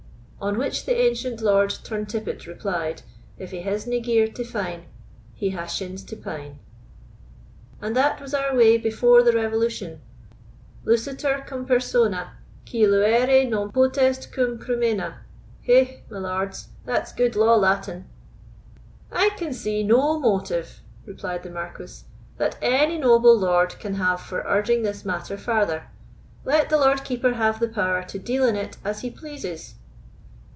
On which the ancient Lord Turntippet replied, "If he hasna gear to fine, He ha shins to pine. "And that was our way before the Revolution: Lucitur cum persona, qui luere non potest cum crumena. Hegh, my lords, that's gude law Latin." "I can see no motive," replied the Marquis, "that any noble lord can have for urging this matter farther; let the Lord Keeper have the power to deal in it as he pleases."